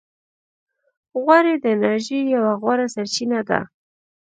غوړې د انرژۍ یوه غوره سرچینه ده.